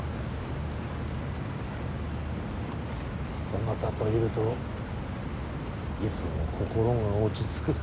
そなたといるといつも心が落ち着く。